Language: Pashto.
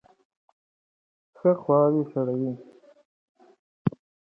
ښه خواوې سړوئ.